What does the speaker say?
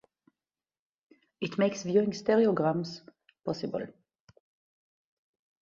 It makes viewing stereograms possible.